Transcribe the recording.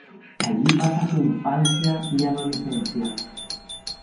Allí pasa su infancia y adolescencia.